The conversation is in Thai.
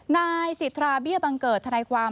นายสิทธาเบี้ยบังเกิดทนายความ